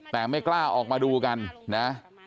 แต่ไม่กล้าออกมาดูกันนะ